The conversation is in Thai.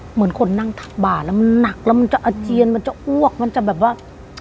เหมือนคนนั่งทักบาดแล้วมันหนักแล้วมันจะอาเจียนมันจะอ้วกมันจะแบบว่า